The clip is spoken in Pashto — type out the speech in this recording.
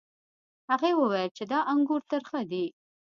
هغې وویل چې دا انګور ترخه دي.